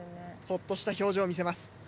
ほっとした表情を見せます。